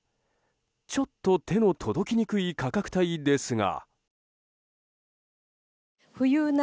ちょっと手の届きにくい価格帯ですが。